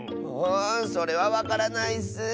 んそれはわからないッス。